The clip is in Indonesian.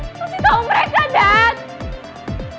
masih tau mereka dad